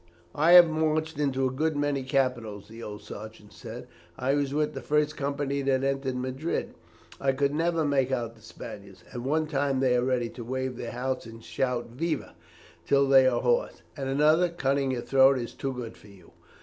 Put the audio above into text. "I have marched into a good many capitals," the old sergeant said. "I was with the first company that entered Madrid. I could never make out the Spaniards. At one time they are ready to wave their hats and shout "Viva!" till they are hoarse. At another, cutting your throat is too good for you.